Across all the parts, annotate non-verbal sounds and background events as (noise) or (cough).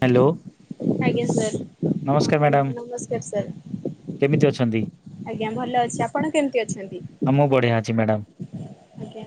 Hello ଆଜ୍ଞା sir ହ ନମସ୍କାର ମ୍ୟାଡ଼ାମ ନମସ୍କାର ସାର୍। କେମିତି ଅଛନ୍ତି? ଆଜ୍ଞା ଭଲ ଅଛି। ଆପଣ କେମିତି ଅଛନ୍ତି? ଆ ମୁଁ ବଢିଆ ଅଛି ମ୍ୟାଡ଼ାମ। ଆଜ୍ଞା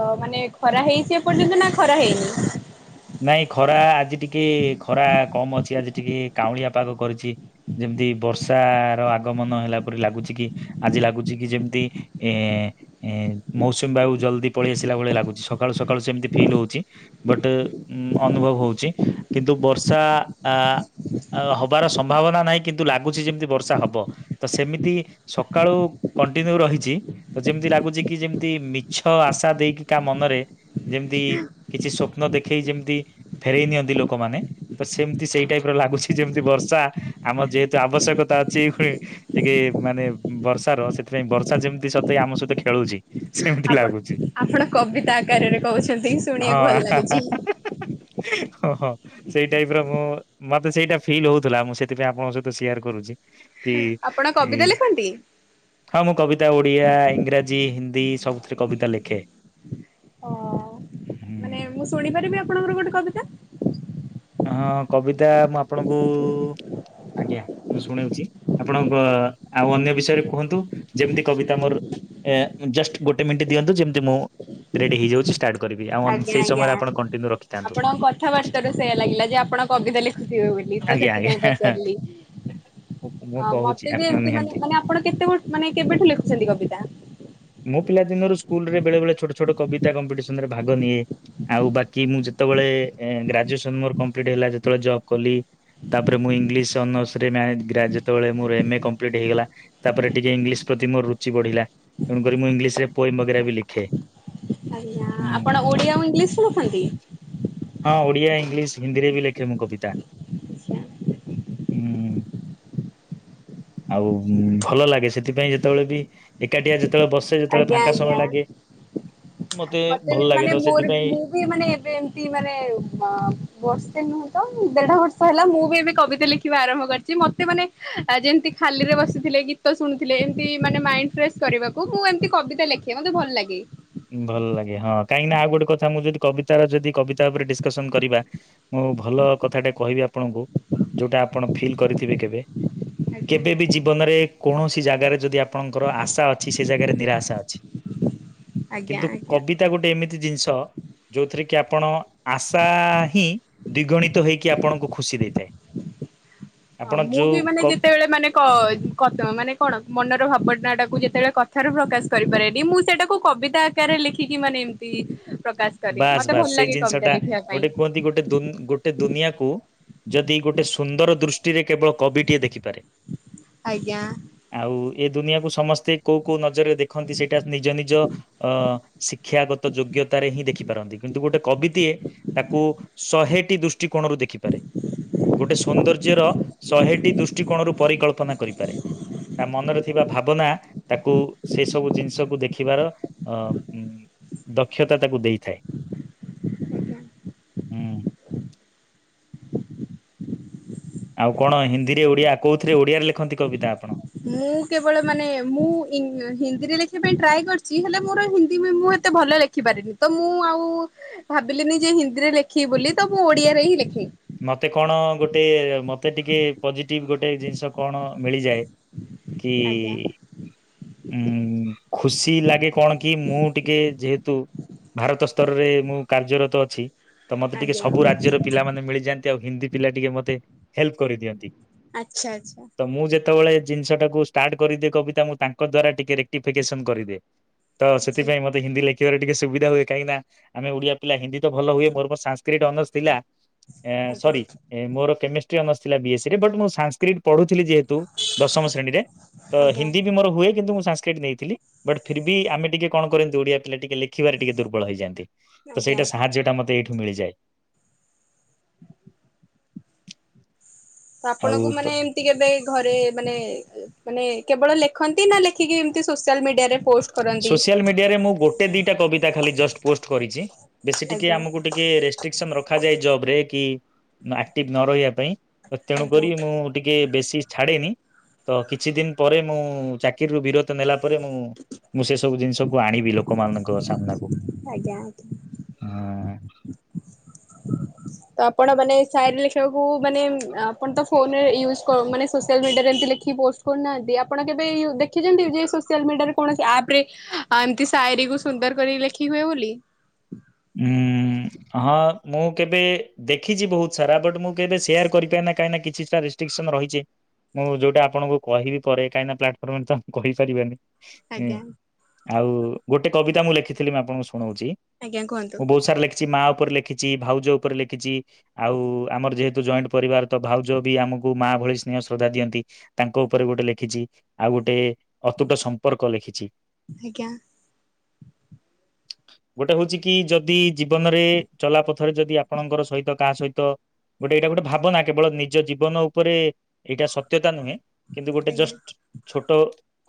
ତ ମାନେ ଖରା ହେଇଛି ଏପର୍ଯ୍ୟନ୍ତ ନା ଖରା ହେଇନି? ନାଇଁ ଖରା ଆଜି ଟିକେ ଖରା କମ୍ ଅଛି ଆଜି ଟିକେ କାଉଁଳିଆ ପାଗ କରିଛି। ଯେମିତି ବର୍ଷାର ଆଗମନ ହେଲା ପରେ ଲାଗୁଛି କି ଆଜି ଲାଗୁଛି କି ଯେମିତି ଏ ଏ ମୌସୁମୀ ବାୟୁ ଜଲଦି ପଳେଇ ଆସିଲା ଭଳିଆ ଲାଗୁଛି ସକାଳୁ ସକାଳୁ ସେମିତି ଫିଲ୍ ହଉଛି। ବଟେ ଉ ଅନୁଭବ ହଉଛି କିନ୍ତୁ ବର୍ଷା ଆ ଅ ହବାର ସମ୍ଭାବନା ନାହିଁ କିନ୍ତୁ ଲାଗୁଛି ଯେମିତି ବର୍ଷା ହବ। ତ ସେମିତି ସକାଳୁ କଣ୍ଟିନ୍ୟୁ ରହିଛି। ତ ଯେମିତି ଲାଗୁଛି କି ଯେମିତି ମିଛ ଆଶା ଦେଇକି କା ମନରେ ଯେମିତି କିଛି ସ୍ୱପ୍ନ ଦେଖେଇ ଯେମିତି ଫେରଇ ନିଅନ୍ତି ଲୋକମାନେ। ତ ସେମିତି ସେଇ ଟାଇପର ଲାଗୁଛି ଯେମିତି ବର୍ଷା ଆମର ଯେହେତୁ ଆବଶ୍ୟକତା ଅଛି ପୁଣି ଟିକେ ମାନେ ବର୍ଷାର ସେଥିପାଇଁ ବର୍ଷା ଯେମିତି ସତେ ଆମ ସହିତ ଖେଳୁଛି। ସେମିତି ଆପଣ ଲାଗୁଛି ଆପଣ କବିତା ଆକାରରେ କହୁଛନ୍ତି ଶୁଣିବାକୁ ଭଲ ଲାଗୁଛି। ହଁ ହଁ। ସେଇ ଟାଇପର ମୁଁ ମତେ ସେଇଟା ଫିଲ୍ ହଉଥିଲା ମୁଁ ସେଥିପାଇଁ ଆପଣଙ୍କ ସହିତ ସେୟାର କରୁଛି। କି ଆପଣ ଇ କବିତା ଲେଖନ୍ତି? ହଁ ମୁଁ କବିତା ଓଡ଼ିଆ, ଇଂରାଜୀ, ହିନ୍ଦୀ ସବୁଥିରେ କବିତା ଲେଖେ। ଓ ହୁଁ। ମାନେ ମୁଁ ଶୁଣିପାରିବି ଆପଣଙ୍କର ଗୋଟେ କବିତା? ହଁ କବିତା ମୁଁ ଆପଣଙ୍କୁ ଆଜ୍ଞା। ମୁଁ ଶୁଣଉଛି ଆପଣଙ୍କ ଆଉ ଅନ୍ୟ ବିଷୟରେ କୁହନ୍ତୁ ଯେମିତି କବିତା ମୋର ଏ ଜଷ୍ଟ ଗୋଟେ ମିଣ୍ଟି ଦିଅନ୍ତୁ ଯେମିତି ମୁଁ ରେଡି ହେଇଯାଉଛି। କରିବି ଆଉ ଆଜ୍ଞା ସେଇ ଆଜ୍ଞା। ସମୟରେ ଆପଣ କଣ୍ଟିନ୍ୟୁ ରଖିଥାନ୍ତୁ। ଆପଣଙ୍କ କଥାବାର୍ତ୍ତାରୁ ସେଇୟା ଲାଗିଲା ଯେ ଆପଣ କବିତା ଲେଖୁଥିବେ ବୋଲି ତ ଆଜ୍ଞା ସେଥିପାଇଁ ଆଜ୍ଞା ପଚାରିଲି। ମୁଁ ହ କହୁଛି ମତେ ବି ଆପଣ ଏମତି ମାନେ ନିହାତି ମାନେ ଆପଣ କେତେ ବ ମାନେ କେବେଠୁ ଲେଖୁଛନ୍ତି କବିତା? ମୁଁ ପିଲା ଦିନରୁ ସ୍କୁଲ ବେଳେବେଳେ ଛୋଟ ଛୋଟ କବିତା କମ୍ପିଟିସନରେ ଭାଗ ନିଏ। ଆଉ ବାକି ମୁଁ ଯେତେବେଳେ ଗ୍ରାଜୁଏସନ ମୋର କଂପ୍ଲିଟ୍ ହେଲା ଯେତେବେଳେ ଜବ୍ କଲି। ତାପରେ ମୁଁ ଇଂଲିଶ ଅନର୍ସରେ ଯେତେବେଳେ ମୋର ଏମ୍ ଏ କଂପ୍ଲିଟ୍ ହେଇଗଲା। ତାପରେ ଟିକେ ଇଂଲିଶ ପ୍ରତି ମୋର ରୁଚି ବଢ଼ିଲା ତେଣୁ କରି ମୁଁ ଇଂଲିଶରେ ପୋଏମ ବଗେରା ବି ଲେଖେ। ଆଜ୍ଞା ହୁଁ ଆପଣ ଓଡ଼ିଆ ଆଉ ଇଂଲିଶରେ ରଖନ୍ତି? ହଁ ଓଡ଼ିଆ, ଇଂଲିଶ, ହିନ୍ଦୀରେ ବି ଲେଖେ ମୁଁ କବିତା। ଆଚ୍ଛା, ହୁଁ। ଆଉ ଭଲ ଲାଗେ ସେଥିପାଇଁ ଯେତେବେଳେ ବି ଏକାଟିଆ ଯେତେବେଳେ ବସେ ସେ ଯେତେବେଳେ ଆଜ୍ଞା ଫାଙ୍କା ସମୟ ଆଜ୍ଞା ଲାଗେ ମତେ ବି ଭଲ ମାନେ ଲାଗେ ତ ମୋର ସେଥିପାଇଁ ମୁଁ ମାନେ ଏବେ ଏମିତି ମାନେ ମ ବର୍ଷେ ନୁହେଁ ତ ଦେଢ ବର୍ଷ ହେଲା ମୁଁ ବି ଏବେ କବିତା ଲେ ଖିବା ଆରମ୍ଭ କରିଛି ମତେ ମାନେ ଯେମିତି ଖାଲିରେ ବସିଥିଲେ ଗୀତ ଶୁଣୁଥିଲେ ଏମତି ମାନେ ମାଇ ଫ୍ରେସ୍ କରିବାକୁ ମୁଁ ଏମତି କବିତା ଲେଖେ ମତେ ଭଲ ଲାଗେ। ଭଲ ଲାଗେ ହଁ କାହିଁକି ନା ଆଉ ଗୋଟେ କଥା ମୁଁ ଯଦି କବିତାର ଯଦି କବିତା ଉପରେ ଡିସକସନ କରିବା ମୁଁ ଭଲ କଥାଟେ କହିବି ଆପଣଙ୍କୁ ଯୋଉଟା ଆପଣ ଫିଲ୍ କରିଥିବେ କେବେ। ଆଜ୍ଞା କେବେ ବି ଜୀବନରେ କୌଣସି ଜାଗାରେ ଯଦି ଆପଣଙ୍କର ଆଶା ଅଛି ସେ ଜାଗାରେ ନିରାଶା ଅଛି। ଆଜ୍ଞା କିନ୍ତୁ ଆଜ୍ଞା। କବିତା ଗୋଟେ ଏମିତି ଜିନିଷ ଯୋଉଥିରେ କି ଆପଣ ଆଶା ହିଁ ଦ୍ୱିଗଣିତ ହେଇକି ଆପଣଙ୍କୁ ଖୁସି ଦେଇଥାଏ। ହଁ ଆପଣ ମୁଁ ଯୋଉ ବି ମାନେ କ ଯେତେବେଳେ ମାନେ ହୁଁ, କ ମାନେ କଣ ମନର ଭାବନାଟାକୁ ଯେତେବେଳେ କଥାରୁ ପ୍ରକାଶ କରିପାରେନି ମୁଁ ସେଇଟାକୁ କବିତା ରେ ଲେଖିକି ମାନେ ଏମତି ବାସ୍ ବାସ୍ ସେଇ ଜିନିଷ ଟା ପାଇଁ। ଗୋଟେ କୁହନ୍ତି ଗୋଟେ ଦୋନ୍ ଗୋ ଗୋଟେ ଦୁନିଆକୁ ଯଦି ଗୋଟେ ସୁନ୍ଦର ଦୃଷ୍ଟିରେ କେବଳ କବିଟିଏ ଦେଖିପାରେ। ଆଜ୍ଞା। ଆଉ ଏ ଦୁନିଆକୁ ସମସ୍ତେ କୋଉ କୋଉ ନଜରରେ ଦେଖନ୍ତି ସେଇଟା ନିଜ ନିଜ ଅ ଶିକ୍ଷାଗତ ଯୋଗ୍ୟତାରେ ହିଁ ଦେଖ ଖିପାରନ୍ତି। କିନ୍ତୁ ଗୋଟେ କବି ଟିଏ ତାକୁ ଶହେଟି ଦୃଷ୍ଟିକୋଣରୁ ଦେଖିପାରେ। ଗୋଟେ ସୌନ୍ଦର୍ଯ୍ୟର ଶହେଟି ଦୃଷ୍ଟିକୋଣରୁ ପରିକଳ୍ପନା କରିପାରେ। ତା ମନରେ ଥିବା ଭାବନା ତାକୁ ସେ ସବୁ ଜିନିଷକୁ ଦେଖିବାର ଅ ଉ ଦକ୍ଷତା ତାକୁ ଦେଇ ଥାଏ। ହୁଁ। ଆଉ କଣ ହିନ୍ଦୀରେ ଓଡ଼ିଆ କୋଉଥିରେ ଓଡିଆରେ ଲେଖନ୍ତି କବିତା ଆପଣ? ମୁଁ କେବଳ ମାନେ ମୁଁ ଈଂ ହିନ୍ଦୀରେ ଲେଖିବା ପାଇଁ ଟ୍ରାଏ କରିଛି। ହେଲେ ମୋର ହିନ୍ଦୀ ବି ମୁଁ ଏତେ ଭଲ ଲେଖ ଖିପାରିନି ତ ମୁଁ ଆଉ ଭାବିଲିନି ଯେ ହିନ୍ଦୀରେ ଲେଖିବି ବୋଲି ତ ମୁଁ ଓଡିଆରେ ହିଁ ଲେଖେ। ମତେ କଣ ଗୋଟେ ମତେ ଟିକେ ପଜିଟିଭ ଗୋଟେ ଜିନିଷ କଣ ମିଳିଯାଏ। କି ଆଜ୍ଞା। ଉଁ ଖୁସି ଲାଗେ କଣ କି ମୁଁ ଟିକେ ଯେହେତୁ ଭାରତ ସ୍ତରରେ ମୁଁ କାର୍ଯ୍ୟରତ ଅଛି। ତ ମତେ ଟିକେ ଆଜ୍ଞା। ସବୁ ରାଜ୍ୟର ପିଲାମାନେ ମିଳିଯାଆନ୍ତି ଆଉ ହିନ୍ଦୀ ପିଲା ଟିକେ ମତେ ହେଲ୍ପ କରିଦିଅନ୍ତି। ଆଚ୍ଛା ଆଚ୍ଛା। ତ ମୁଁ ଯେତେବେଳେ ଜିନିଷ ଟାକୁ ଷ୍ଟାର୍ଟ କରିଦିଏ କବିତା ମୁଁ ତାଙ୍କ ଦ୍ଵାରା ଟିକେ ରେକ୍ଟିଫିକେସନ କରିଦିଏ। ତ ସେଥିପାଇଁ ମତେ ହିନ୍ଦୀ ଲେଖିବାରେ ଟିକେ ସୁବିଧା ହୁଏ। କାହିଁକି ନା ଆମେ ଓଡିଆ ପିଲା ହିନ୍ଦୀ ତ ଭଲ ହୁଏ। ମୋର ମୋ ସାଂସକ୍ରିଟ ଅନର୍ସ ଥିଲା ଏଁ ଆଚ୍ଛା ଆଜ୍ଞା ସରି ମୋର ଏଁ କେମିଷ୍ଟ୍ରି ଅନର୍ସ ଥିଲା ବି ଏସ୍ ସିରେ ବଟ୍ ମୁଁ ସାଂସକ୍ରିଟ ପଢୁଥିଲି ଯେହେତୁ ଦଶମ ଶ୍ରେଣୀରେ ତ ଆଜ୍ଞା ହିନ୍ଦୀ ବି ମୋର ହୁଏ କିନ୍ତ ମୁଁ ସାଂସକ୍ରିଟ ନେଇଥିଲି। ବଟ ଫିର୍ ବି ଆମେ ଟିକେ କଣ କରନ୍ତି ଓଡିଆ ପିଲା ଟିକେ ଲେଖ ଲେଖିବାରେ ଟିକେ ଦୁର୍ବଳ ହେଇଯାଆନ୍ତି। ତ ଆଜ୍ଞା। ସେଇଟା ସାହାଯ୍ୟ ଟା ମତେ ଏଇଠୁ ମିଳିଯାଏ। ତ ଆଉ ଆପଣଙ୍କୁ ତ ମାନେ ଏମ୍ ତି କେବେ ଘରେ ମାନେ ମାନେ କେବଳ ଲେଖନ୍ତି ନା ଲେଖିକି ଏମିତି ସୋସିଆଲ ମିଡିଆରେ ପୋଷ୍ଟ କରନ୍ତି? ସୋସିଆଲ ମିଡିଆରେ ମୁଁ ଗୋଟେ ଦିଟା କବିତା ଖାଲି ଜଷ୍ଟ ପୋଷ୍ଟ କରିଛି ବେଶୀ ଟିକେ ଆଜ୍ଞା ଆମକୁ ଟିକେ ରେସ୍ ଷ୍ଟ୍ରିକସନ ରଖାଯାଏ ଯବରେ କି ଆକ୍ଟିଭ ନ ରହିବା ତେଣୁ ଆଜ୍ଞା କରି ମୁଁ ଟିକେ ବେଶୀ ଛାଡେନି ତ କିଛି ଦିନ ପରେ ମୁଁ ଚାକିରିରୁ ବିରତ ନେଲା ପରେ ମୁଁ ମୁଁ ସେ ସବୁ ଜିନିଷକୁ ଆଣିବି ଲୋକମାନଙ୍କ ସାମ୍ନାକୁ ଆଜ୍ଞା ଆଜ୍ଞା। ହଁ। ତ ଆପଣ ମାନେ ସାଏରି ଲେଖିବାକୁ ମାନେ ଆପଣ ତ ଫୋନ ୟୁଜ କ ମାନେ ସୋସିଆଲ୍ ମିଡ଼ିଆରେ ଏମିତି ଲେଖିକି ପୋଷ୍ଟ କରୁନାହାନ୍ତି? ଆପଣ କେବେ ଦେଖିଛନ୍ତି ଯେ ସୋସିଆଲ୍ ମିଡ଼ିଆରେ କୌଣସି ଆପ୍ ରେ ଆଉ ଏମିତି ସାଇରୀକୁୁ ସୁନ୍ଦର କରିକି ଲେଖି ହୁଏ ବୋଲି? ଉୁଁ ହଁ ମୁଁ କେବେ ଦେଖିଛି ବହୁତ ସାରା ବଟ୍ ମୁଁ କେବେ ସେୟାର କରିପାରେ ନା କାହିଁକି କିଛିଟା ରେଷ୍ଟ୍ରିକସନ ରହିଛି। ମୁଁ ଯୋଉଟା ଆପଣଙ୍କୁ କିହିବି ପରେ କାହିଁକିନା ପ୍ଲାଟଫର୍ମରେ ତ କହିପାରିବାନି। ହୁଁ ଆଜ୍ଞା ଆଉ ଗୋଟେ କବିତା ମୁଁ ଲେଖିଥିଲି ମୁ ଆପଣଙ୍କୁ ଶୁଣଉଛି ଆଜ୍ଞା କୁହନ୍ତୁ। ମୁଁ ବହୁତ ସାରା ଲେଖିଛି ମା ଉପରେ ଲେଖିଛି ଭାଉଜ ଉପରେ ଲେଖିଛି। ଆଉ ଆମର ଯେହେତୁ ଜଏଣ୍ଟ ପରିବାର ତ ଭାଉଜ ବି ଆମକୁ ମା ଭଳି ସ୍ନେହ ଶ୍ରଦ୍ଧା ଦିଅନ୍ତି। ତାଙ୍କ ଉପରେ ଗୋଟେ ଲେଖିଛି ଆଉ ଗୋଟେ ଅତୁଟ ସମ୍ପର୍କ ଲେଖିଛି। ଆଜ୍ଞା। ଗୋଟେ ହୋଉଛି କି ଯଦି ଜୀବନରେ ଚଲା ପଥରେ ଯଦି ଆପଣଙ୍କର ସହିତ କାହା ସହିତ ଗୋଟେ ଏଇଟା ଗୋଟେ ଭାବନା କେବଳ ନିଜ ଜୀବନ ଉପରେ ଏଇଟା ସତ୍ୟତା ନୁହେଁ। କିନ୍ତୁ ଗୋଟେ ଆଜ୍ଞା ଜଷ୍ଟ ଛୋଟ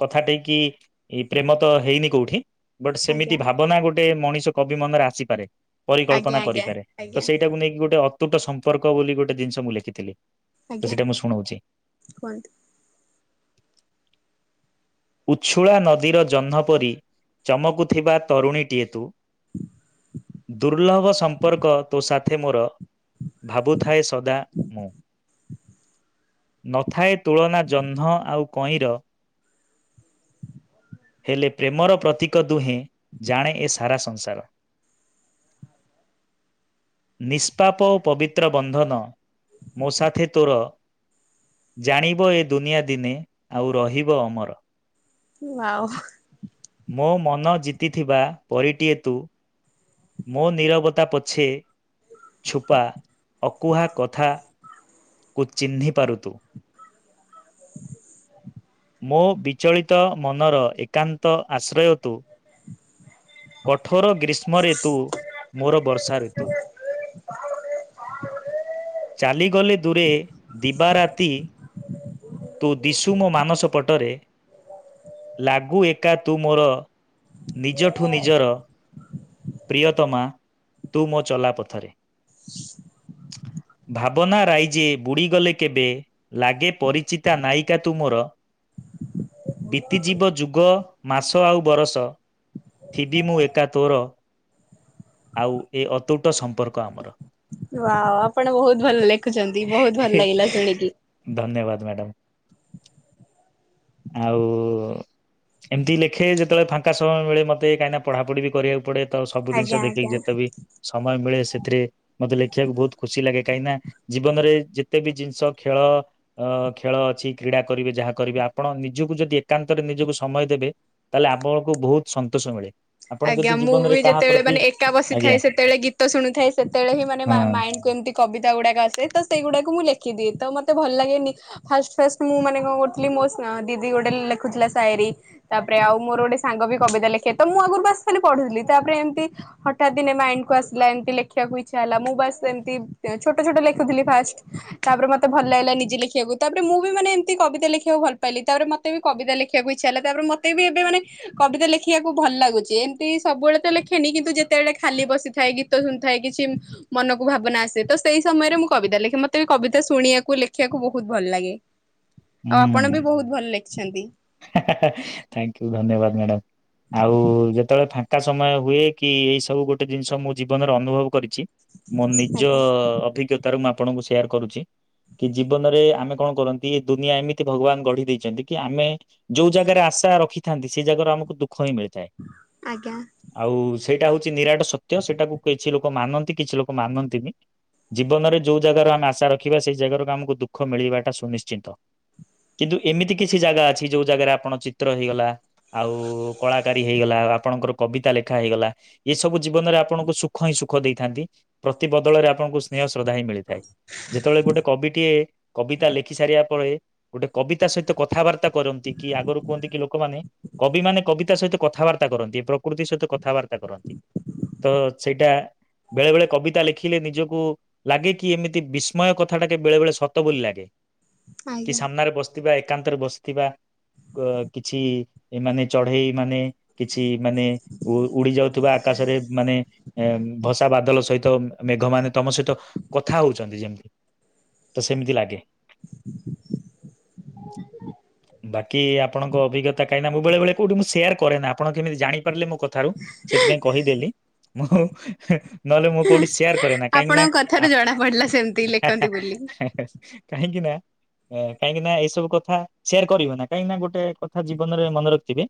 କଥାଟେ କି ପ୍ରେମ ତ ହେଇନି କୋଉଠି। ବଟ୍ ସେମିତି ଆଜ୍ଞା। ଭାବନା ଗୋଟେ ମଣିଷ କବି ମନରେ ଆସିପାରେ ଆଜ୍ଞା ପରିକଳ୍ପନା ଆଜ୍ଞା କରିପାରେ ତ ଆଜ୍ଞା ସେଇ ଟାକୁ ନେଇକି ଗୋଟେ ଅତୁଟ ସମ୍ପର୍କ ବୋଲି ଗୋଟେ ଜିନିଷ ମୁଁ ଲେଖିଥିଲି। ତ ଆଜ୍ଞା ସେଇଟା ମୁଁ ଶୁଣଉଛି। କୁହନ୍ତୁ। ଉଛୁଳା ନଦୀର ଜହ୍ନ ପରି ଚମକୁଥିବା ତରୁଣୀଟିଏ ତୁ। ଦୁର୍ଲଭ ସମ୍ପର୍କ ତୋ ସାଥେ ମୋର ଭାବୁଥାଏ ସଦା ମୁଁ। ନଥାଏ ତୁଳନା ଜହ୍ନ ଆଉ କଇଁର ହେଲେ ପ୍ରେମର ପ୍ରତୀକ ଦୁହେଁ, ଜାଣେ ଏ ସାରା ସଂସାର। ନିଷ୍ପାପ ଓ ପବିତ୍ର ବନ୍ଧନ ମୋ ସାଥେ ତୋର ଜାଣିବ ଏ ଦୁନିଆ ଦିନେ ଆଉ ରହିବ ଅମର। (unintelligible) ମୋ ମନ ଜିତିଥିବା ପରୀ ଟିଏ ତୁ। ମୋ ନିରବତା ପଛେ ଛୁପା ଅକୁହା କଥା କୁ ଚିହ୍ନି ପାରୁ ତୁ। (inaudible) ମୋ ବିଚଳିତ ମନର ଏକାନ୍ତ ଆଶ୍ରୟ ତୁ କଠୋର ଗ୍ରୀଷ୍ମ ରେ ତୁ ମୋର ବର୍ଷା ଋତୁ। ଚାଲିଗଲେ ଦୂରେ ଦିବା ରାତି ତୁ ଦିଶୁ ମୋ ମାନସ ପଟରେ। ଲାଗୁ ଏକା ତୁ ମୋର ନିଜଠୁ ନିଜର ପ୍ରିୟତମା ତୁ ମୋ ଚଲା ପଥରେ। ଭାବନା ରାଇଯେ ବୁଡ଼ିଗଲେ କେବେ ଲାଗେ ପରିଚିତା ନାୟିକା ତୁ ମୋର। ବିତିଯିବ ଯୁଗ ମାସ ଆଉ ବରଷ ଥିବି ମୁଁ ଏକା ତୋର ଆଉ ଏ ଅତୁଟ ସମ୍ପର୍କ ଆମର। ୱାଓ, ଆପଣ ବହୁତ ଭଲ ଲେଖୁଛନ୍ତି ବହୁତ ଭଲ ଲାଗିଲା ଶୁଣିକି। ଧନ୍ୟବାଦ ମ୍ୟାଡ଼ମ୍। ଆଉ ଏମିତି ଲେଖେ ଯେତେବେଳେ ଫାଙ୍କା ସମୟ ମିଳେ ମତେ କାହିଁକିନା ପଢ଼ାପଢି ବି କରିବାକୁ ପଡ଼େ। ତ ସବୁ ଜିନିଷ ଆଜ୍ଞା ଦେଖିକି ଆଜ୍ଞା। ଯେତେବି ସମୟ ମିଳେ ସେଥିରେ ମତେ ଲେଖିବାକୁ ବହୁତ ଖୁସି ଲାଗେ କାହିଁକିନା ଜୀବନରେ ଯେତେ ବି ଜିନିଷ ଖେଳ ଅ ଖେଳ ଅଛି କ୍ରୀଡ଼ା କରିବେ ଯାହା କରିବେ ଆ ଆପଣ ନିଜକୁ ଯଦି ଏକାନ୍ତରେ ନିଜକୁ ସମୟ ଦେବେ, ତାହେଲେ ଆପଣଙ୍କୁ ବହୁତ ସନ୍ତୋଷ ମିଳେ। ଆପଣ ଆଜ୍ଞା। ଯଦି ମୁଁ ଜୀବନରେ ବି କାହା ଯେତେବେଳେ ପ୍ରତି ମାନେ ଏକା ଆଜ୍ଞା ବସିଥାଏ ସେତେବେଳେ ଗୀତ ଶୁଣୁଥାଏ ସେତେବେଳେ ହିଁ ମାନେ ହଁ ମାଇଣ୍ଡ କୁ ଏମିତି କବିତା ଗୁଡ଼ାକ ଆସେ। ତ ସେଇଗୁଡ଼ାକୁ ମୁଁ ଲେଖିଦିଏ। ତ ମତେ ଭଲ ଲାଗେନି ଫାଷ୍ଟ ଫାଷ୍ଟ ମୁଁ ମାନେ କଣ କରୁଥିଲି ମୋ ସା ଦିଦି ଗୋଟେ ଲେଖୁଥିଲା ସାଏରି। ତାପରେ ଆଉ ମୋର ଗୋଟେ ସାଙ୍ଗ ବି କବିତା ଲେଖେ। ତ ମୁଁ ଆଗରୁ ବାସ ଖାଲି ପଢୁଥିଲି। ତାପରେ ଏମତି ହଠାତ୍ ଦିନେ ମାଇଣ୍ଡ କୁ ଆସିଲା ଏମିତି ଲେଖିବାକୁ ଇଚ୍ଛା ହେଲା ମୁଁ ବାସ୍ ଏମତି ଛୋଟ ଛୋଟ ଲେଖୁଥିଲି ଫାଷ୍ଟ। ତାପରେ ମତେ ଭଲ ଲାଗିଲା ନିଜେ ଲେଖିବାକୁ। ତାପରେ ମୁଁ ବି ମାନେ ଏମତି କବିତା ଲେଖିବାକୁ ଭଲ ପାଇଲି। ତାପରେ ମ ମତେ ବି କବିତା ଲେଖିବାକୁ ଇଚ୍ଛା ହେଲା। ତାପରେ ମତେ ବି ଏବେ ମାନେ କବିତା ଲେଖିବାକୁ ଭଲ ଲାଗୁଚି। ଯେନ୍ତି ସବୁବେଳେ ତ ଲେଖେନି କିନ୍ତୁ ଯେତେବେଳେ ଖାଲି ବସିଥାଏ, ଗୀତ ଶୁଣୁଥାଏ, କିଛି ମନକୁ ଭାବନା ଆସେ ତ ସେଇ ସମୟରେ ମୁଁ କବିତା ଲେଖେ। ମତେ ବି କବିତା ଶୁଣିବାକୁ ଲେଖିବାକୁ ବହୁତ ଭଲ ଲାଗେ। ଆଉ ଆପଣ ବି ବହୁତ ଭଲ ଲେଖିଛନ୍ତି। ହେ ହେ। ଥାଙ୍କୟୁ ଧନ୍ୟବାଦ ମ୍ୟାଡ଼ମ୍। ଆଉ ଯେତେବେଳେ ଫାଙ୍କା ସମୟ ହୁଏ କି ଏଇ ସବୁ ଗୋଟେ ଜିନିଷ ମୁଁ ଜୀବନରେ ଅନୁଭବ କରିଚି ମୋ ନିଜ ଅଭିଜ୍ଞତା ରୁ ମୁଁ ଆପଣଙ୍କୁ ସେୟାର କରୁଚି। କି ଜୀବନରେ ଆମେ କଣ କରନ୍ତି ଏ ଦୁନିଆ ଏମିତି ଭଗବାନ ଗଢି ଦେଇଛନ୍ତି କି ଆମେ ଯୋଉ ଜାଗାରେ ଆଶା ରଖିଥାନ୍ତି ସେଇ ଜାଗାରୁ ଆମକୁ ଦୁଃଖ ହିଁ ମିଳିଥାଏ। ଆଜ୍ଞା। ଆଉ ସେଇଟା ହଉଚି ନିରାଟ ସତ୍ୟ। ସେଟାକୁ କିଛି ଲୋକ ମାନନ୍ତି କିଛି ଲୋକ ମାନନ୍ତିନି। ଜୀବନରେ ଯୋଉ ଜାଗାରୁ ଆମେ ଆଶା ରଖିବା ସେଇ ଜାଗାରୁ ଆମକୁ ଦୁଃଖ ମିଳିବାଟା ସୁନିଶ୍ଚିତ। କିନ୍ତୁ ଏମିତି କିଛି ଜାଗା ଅଛି ଯୋଉ ଜାଗାରେ ଆପଣ ଚିତ୍ର ହେଇଗଲା ଆଉ କଳାକାରି ହେଇଗଲା ଆପଣଙ୍କର କବିତା ଲେଖା ହେଇଗଲା ଏସବୁ ଜୀବନରେ ଆପଣଙ୍କୁ ସୁଖ ହିଁ ସୁଖ ଦେଇଥାନ୍ତି, ପ୍ରତିିବଦଳରେ ଆପଣଙ୍କୁ ସ୍ନେହ ଶ୍ରଦ୍ଧା ହିଁ ମିଳି ଥାଏ ଯେତେବେଳେ ଗୋଟେ କବିଟିଏ କବିତା ଲେଖି ସାରିବା ପରେ, ଗୋଟେ କବିତା ସହିତ କଥାବାର୍ତ୍ତା କରନ୍ତ ନ୍ତିକି ଆଗରୁ କୁହନ୍ତି କି ଲୋକମାନେ କବି ମାନେ କବିତା ସହିତ କଥାବାର୍ତ୍ତା କରନ୍ତି, ପ୍ରକୃତି ସହିତ କଥାବାର୍ତ୍ତା କରନ୍ତି। ତ ସେଇଟା ବେଳେ ବେଳେ କବିତା ଲେଖିଲେ ନିଜକୁ ଲାଗେ କି ଏମିତି ବିସ୍ମୟ କଥାଟା, କେ ବେଳେ ବେଳେ ସତ ବୋଲି ଲାଗେ। କି ଆଜ୍ଞା। ସାମ୍ନାରେ ବସିଥିବା, ଏକାନ୍ତରେ ବସିଥିବା। ଅ କିଛି ଏମାନେ ଚଢେଇମାନେ କିଛି ମାନେ ଉ -ଉଡି ଯାଉଥିବା, ଆକାଶରେ ମାନେ ଭସା ବାଦଲ ସହିତ ମେଘ ମାନେ ତମ ସହିତ କଥା ହଉଚନ୍ତି ଯେମିତି, ତ ସେମିତି ଲାଗେ। (unintelligible) ବାକି ଆପଣଙ୍କ ଅଭିଜ୍ଞତା କାହିଁକିନା, ମୁଁ ବେଳେ ବେଳେ କୋଉଠି ମୁଁ ସେୟାର କରେନା। ଆପଣ କେମିତି ଜାଣି ପାରିଲେ ମୋ କଥାରୁ, ସେଥିପାଇଁ କହିଦେଲି। ମୁଁ ନହେଲେ ମୁଁ କୋଉଠି ସେୟାର କରେ ନା, କାହିଁକି ନା ଆପଣଙ୍କ କଥାରୁ ଜଣା ପଡିଲା ସେମିତି ଲେଖନ୍ତି ବୋଲି। କାହିଁକି ନା କାହିଁକି ନା ଏଇସବୁ କଥା ସେୟାର କରିବନି କାହିଁକି ନା ଗୋଟେ କଥା ଜୀବନରେ ମନେ ରଖିଥିବେ,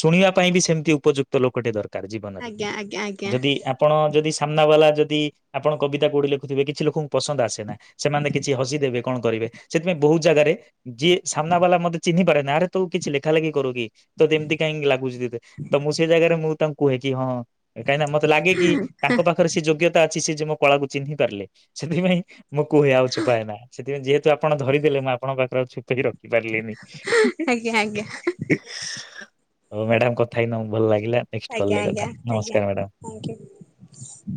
ଶୁଣିବା ପାଇଁ ବି ସେମିତି ଉପଯୁକ୍ତ ଲୋକଟେ ଦର କାରେ ଜୀବନରେ ଆଜ୍ଞା ଆଜ୍ଞା ଆଜ୍ଞା ଯଦି ଆପଣ ଯଦି ସାମ୍ନା ବାଲା ଯଦି ଆପଣ କବିତା କୋଉଠି ଲେଖୁଥିବେ, କିଛି ଲୋକଙ୍କୁ ପସନ୍ଦ ଆସେ ନା। ସେମାନେ କିଛି ହସି ଦେବେ କଣ କରିବେ, ସେଥିପାଇଁ ବହୁତ ଜାଗାରେ ଯିଏ ସାମ୍ନା ବାଲା ମତେ ଚିହ୍ନି ପାରେନା ଆରେ ତୁ କିଛି ଲେଖା ଲେଖି କରୁ କିି, ତ ଯେମିତି କାହିଁ ଲାଗୁଛି (unintelligible) ତ ମୁଁ ସେ ଜାଗାରେ ମୁଁ ତାଙ୍କୁ କୁହେ କି ହଁ, କାହିଁକିନା ମତେ ଲାଗେ କି ତାଙ୍କ ପାଖରେ ସେ ଯୋଗ୍ୟତା ଅଛି, ସେ ଯେ ମୋ କଳାକୁ ଚିହ୍ନି ପାରିଲେ। ସେଥିପାଇଁ ମୁଁ କୁହେ ଆଉ ଛୁପାଏନା, ସେଥିପାଇଁ ଯେହେତୁ ଆପଣ ଧରିଦେଲେ। ମୁଁ ଆପଣଙ୍କ ପାଖରେ ଆଉ ଛୁପେଇକି ରଖି ପାରିଲିନି। ଆଜ୍ଞା ଆଜ୍ଞା। ହଉ ମ୍ୟାଡ଼ାମ କଥା ହେଇ ଭଲ ଲାଗିଲା, ନେଷ୍ଟ କଲ୍ ରେ କଥା ନମସ୍କାର୍ ମ୍ୟାଡମ୍। Thank you.